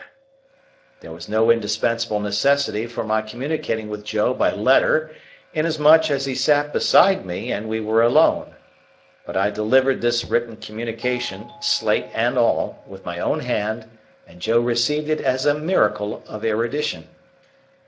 There was no indispensable necessity for my communicating with Joe by letter, inasmuch as he sat beside me and we were alone. But I delivered this written communication (slate and all) with my own hand, and Joe received it as a miracle of erudition.